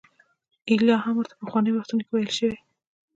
ایلیا هم ورته په پخوانیو وختونو کې ویل شوي.